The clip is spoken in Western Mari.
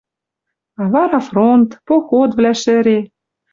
А вара фронт, походвлӓ шӹре.